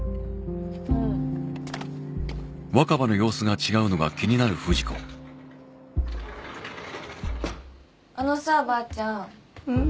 うんあのさばあちゃんん？